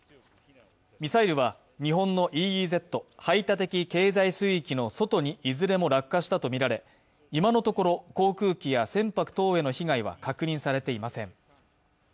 ミサイルは日本のＥＥＺ＝排他的経済水域の外にいずれも落下したとみられ、今のところ、航空機や船舶等への被害は確認されていません。